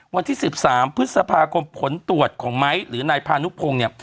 วันที่๑๓พฤษภาคมผลตรวจของไม้หรือนายพานุพงศ์เนี่ย